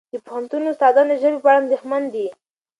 د پوهنتون استادان د ژبې په اړه اندېښمن دي.